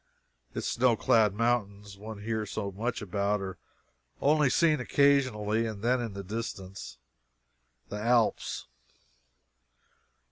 Its snow clad mountains one hears so much about are only seen occasionally, and then in the distance, the Alps.